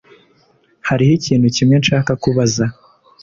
Hariho ikintu kimwe nshaka kubaza